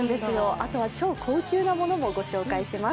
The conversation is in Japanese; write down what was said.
あとは超高級なものもご紹介します。